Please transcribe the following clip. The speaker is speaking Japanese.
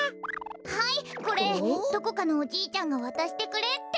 はいこれどこかのおじいちゃんがわたしてくれって。